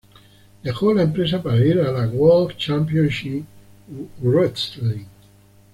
Dejó la empresa para ir a la World Championship Wrestling.